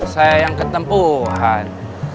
saya yang ketempuhan